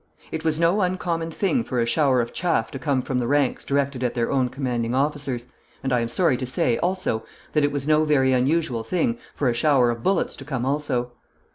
It was no uncommon thing for a shower of chaff to come from the ranks directed at their own commanding officers, and I am sorry to say, also, that it was no very unusual thing for a shower of bullets to come also.